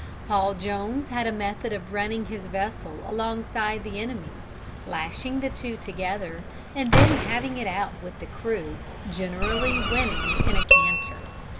] Paul Jones had a method of running his vessel alongside the enemy's, lashing the two together, and then having it out with the crew, generally winning in a canter.